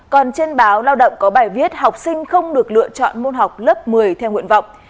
còn trên báo lao động có bài viết học sinh không được lựa chọn môn học lớp một mươi theo nguyện vọng